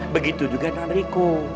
begitu juga dengan riko